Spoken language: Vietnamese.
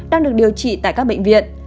đang được điều trị tại các bệnh viện